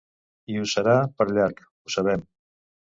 I ho serà per llarg, ho sabem.